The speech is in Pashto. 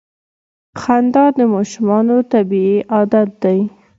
• خندا د ماشومانو طبیعي عادت دی.